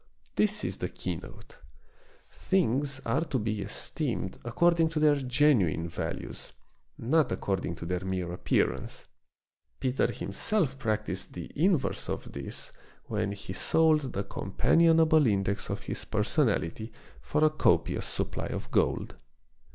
This is the keynote. Things are to be esteemed according to their genuine values, not according to their mere appearance. Peter himself practiced the inverse of this when he sold the companionable index of his personality for a copious supply of gold.